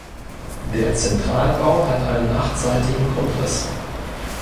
Der Zentralbau hat einen achtseitigen Grundriss.